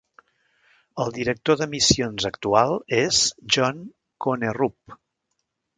El director de missions actual és Jon Konnerup.